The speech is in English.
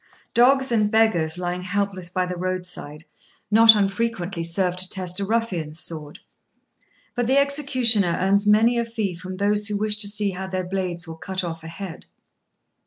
Dogs and beggars, lying helpless by the roadside, not unfrequently serve to test a ruffian's sword; but the executioner earns many a fee from those who wish to see how their blades will cut off a head.